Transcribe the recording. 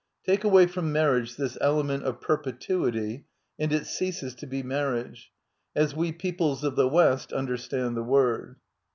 Take away from marriage this element of perpetuity and it ceases to be marriage, as we peoples of the West under stand the word.